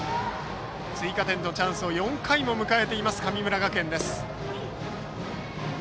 追加点のチャンスを４回も迎えている神村学園です。